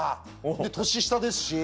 で年下ですし。